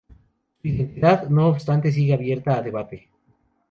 Su identidad, no obstante, sigue abierta a debate.